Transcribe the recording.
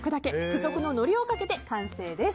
付属ののりをかけて完成です。